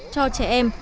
cho trẻ em